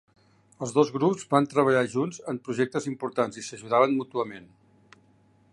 Els dos grups van treballar junts en projectes importants i s'ajudaven mútuament.